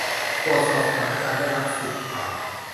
ตรวจสอบสถานะการได้รับสิทธิผ่าน